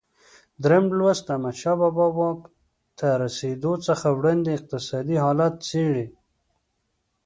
درېم لوست د احمدشاه بابا واک ته رسېدو څخه وړاندې اقتصادي حالت څېړي.